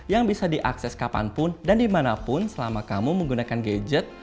yang bisa diakses kapanpun dan dimanapun selama kamu menggunakan gadget